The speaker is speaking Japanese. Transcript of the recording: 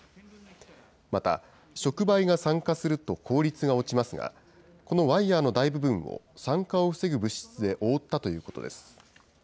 また触媒が酸化すると効率が落ちますが、このワイヤーの大部分を酸化を防ぐ物質で覆ったということです。